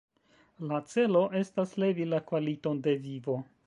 La celo estas levi la kvaliton de vivo.